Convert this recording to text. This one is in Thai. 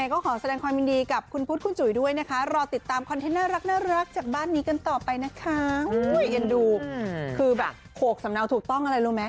คือแบบโถกสำนักถูกต้องอะไรรู้มไหม